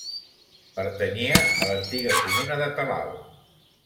Pertanyia a l'antiga comuna de Talau.